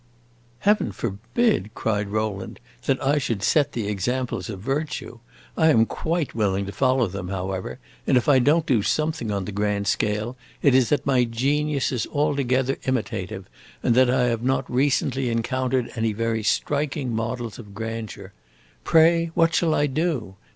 "Heaven forbid," cried Rowland, "that I should set the examples of virtue! I am quite willing to follow them, however, and if I don't do something on the grand scale, it is that my genius is altogether imitative, and that I have not recently encountered any very striking models of grandeur. Pray, what shall I do?